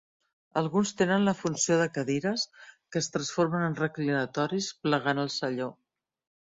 Alguns tenen la funció de cadires que es transformen en reclinatoris plegant el selló.